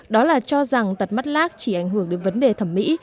đó là cho rằng tật mắt lác chỉ ảnh hưởng đến vấn đề thẩm mỹ